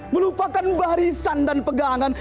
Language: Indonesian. melupakan barisan dan pegangan